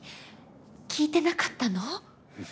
聞いてなかったの？